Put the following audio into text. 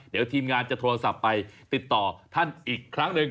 เดี๋ยวทีมงานจะโทรศัพท์ไปติดต่อท่านอีกครั้งหนึ่ง